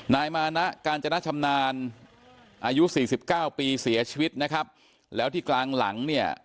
นายมานะกาญจนชำนาญอายุสี่สิบเก้าปีเสียชีวิตนะครับแล้วที่กลางหลังเนี่ย